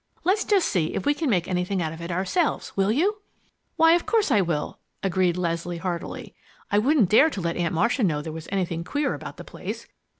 Let's just see if we can make anything out of it ourselves, will you?" "Why of course I will," agreed Leslie heartily. "I wouldn't dare to let Aunt Marcia know there was anything queer about the place.